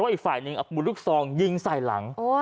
ในอีกฝ่ายหนึ่งมีลูกทองยิงใส่หลัง